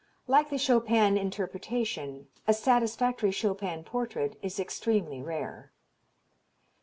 Like the Chopin interpretation, a satisfactory Chopin portrait is extremely rare.